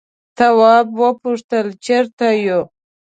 تواب وپوښتل چیرته یو.